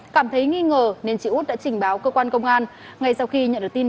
cảm thấy nghi ngờ nên chị út đã trình báo cơ quan công an